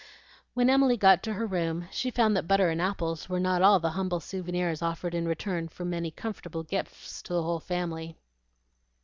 When Emily got to her room, she found that butter and apples were not all the humble souvenirs offered in return for many comfortable gifts to the whole family.